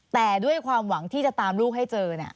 แต่ด้วยความหวังที่จะตามลูกให้เจอ